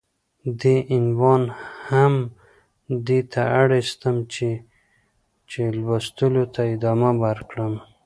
دې عنوان هم دې ته اړيستم چې ،چې لوستلو ته ادامه ورکړم.